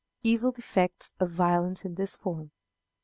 Evil Effects of Violence in this Form.